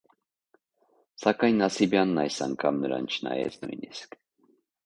Սակայն Նասիբյանն այս անգամ նրան չնայեց նույնիսկ: